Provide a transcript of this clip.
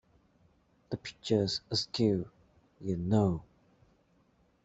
That picture's askew, you know.